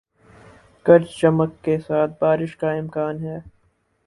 گرج چمک کے ساتھ بارش کا امکان ہے